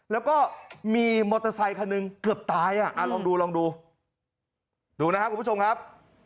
แล้วก็มีมอเตอร์ไซคันหนึ่งเกือบตายอ่ะลองดูลองดูดูนะครับคุณผู้ชมครับ